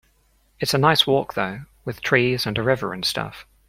It's a nice walk though, with trees and a river and stuff.